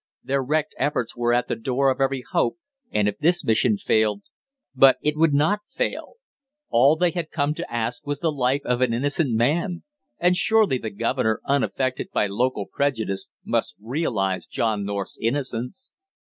Their wrecked efforts were at the door of every hope, and if this mission failed but it would not fail! All they had come to ask was the life of an innocent man, and surely the governor, unaffected by local prejudice, must realize John North's innocence.